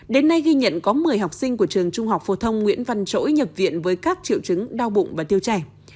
đến nay ghi nhận có một mươi học sinh của trường trung học phổ thông nguyễn văn trỗi nhập viện với các triệu chứng đau bụng và tiêu chảy